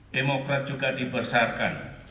demokrat juga dibesarkan